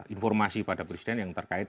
informasi pada presiden yang terkait